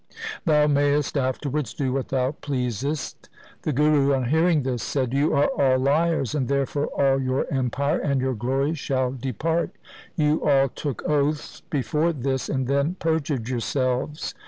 Thou mayest afterwards do what thou pleasest.' The Guru on hearing this said, ' You are all liars, and therefore all your empire and your glory shall depart. You all took oaths before this and then perjured yourselves.